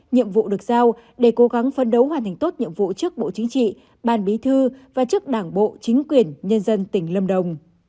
nhiệm vụ được giao để cố gắng phân đấu hoàn thành tốt nhiệm vụ trước bộ chính trị ban bí thư và trước đảng bộ chính quyền nhân dân tỉnh lâm đồng